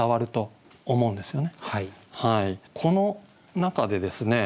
この中でですね